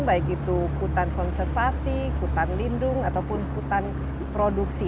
baik itu hutan konservasi hutan lindung ataupun hutan produksi